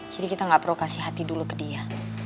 jadi kita gak perlu kasih hati dulu ke dia